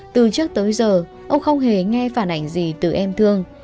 từ trước tới giờ ông không hề nghe phản ảnh gì từ em thương